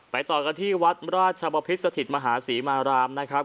ต่อกันที่วัดราชบพิษสถิตมหาศรีมารามนะครับ